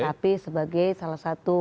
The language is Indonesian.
tapi sebagai salah satu